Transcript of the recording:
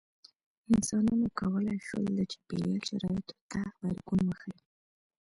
انسانانو کولی شول د چاپېریال شرایطو ته غبرګون وښيي.